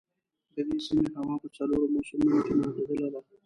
د دې سیمې هوا په څلورو موسمونو کې معتدله ده.